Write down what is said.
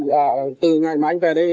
và từ ngày mà anh về đây